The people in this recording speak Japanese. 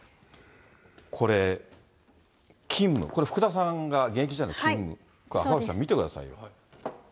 これ、勤務、これ、福田さんが現役時代の勤務、赤星さん、これ見てくださいよ。